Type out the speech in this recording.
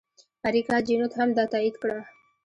اریکا چینوت هم دا تایید کړه.